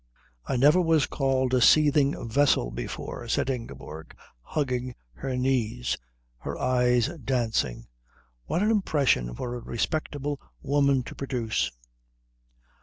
"I never was called a seething vessel before," said Ingeborg, hugging her knees, her eyes dancing. "What an impression for a respectable woman to produce!"